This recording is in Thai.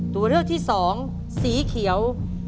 ตัวเลือกที่สองสีเขียว